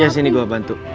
ya sini gue bantu